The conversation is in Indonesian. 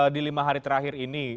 di lima hari terakhir ini